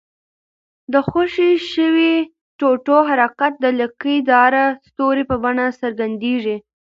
د خوشي شوي ټوټو حرکت د لکۍ داره ستوري په بڼه څرګندیږي.